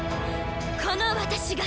この私が！